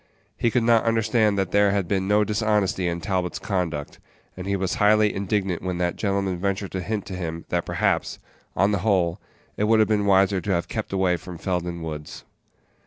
He could not understand that there had been no dishonesty in Talbot's conduct, and he was highly indignant when that gentleman ventured to hint to him that perhaps, on the whole, it would have been wiser to have kept away from Felden Woods.